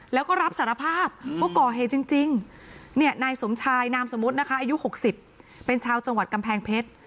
แล้วก็รับสารภาพว่าก่อเหตุจริงนายสมชายนามสมมุตินะคะอายุ๖๐เป็นชาวจังหวัดกำแพงเพชร